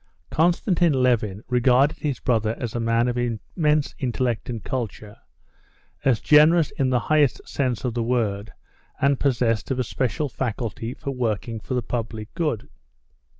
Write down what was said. Konstantin Levin regarded his brother as a man of immense intellect and culture, as generous in the highest sense of the word, and possessed of a special faculty for working for the public good.